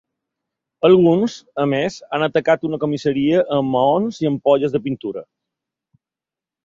Alguns, a més, han atacat una comissaria amb maons i ampolles de pintura.